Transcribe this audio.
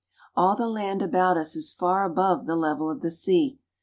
All the land about us is far above the level of the sea.